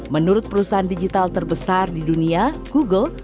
menurut perusahaan digital terbesar di dunia google